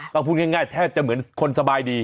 ก็พูดง่ายแทบจะเหมือนคนสบายดี